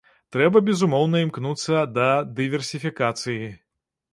Трэба безумоўна імкнуцца да дыверсіфікацыі.